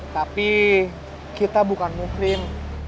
tapi kita bukan muklim